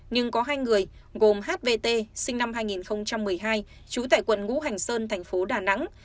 nhưng có hai người gồm h v t sinh năm hai nghìn một mươi hai trú tại quận ngũ hành sơn thành phố đà nẵng